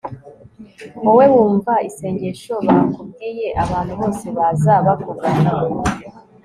wowe wumva isengesho bakubwiye, abantu bose baza bakugana